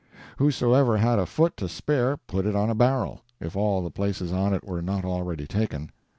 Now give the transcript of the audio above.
Whosoever had a foot to spare put it on a barrel, if all the places on it were not already taken.